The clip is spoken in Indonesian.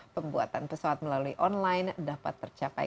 pembuatan pesawat melalui online dapat tercapai